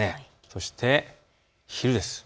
そして昼です。